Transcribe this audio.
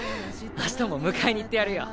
明日も迎えに行ってやるよ。